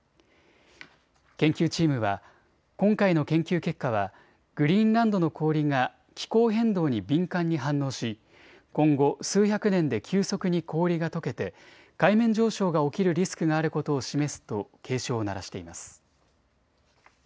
研究チームは今回の研究結果はグリーンランドの氷が気候変動に敏感に反応し今後、数百年で急速に氷がとけて海面上昇が起きるリスクがあることを示すと警鐘を鳴らしています。